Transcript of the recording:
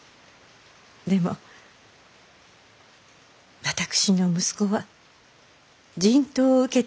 でも私の息子は人痘を受けたのですよ。